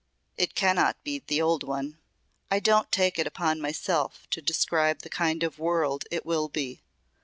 "It cannot be the old one. I don't take it upon myself to describe the kind of world it will be.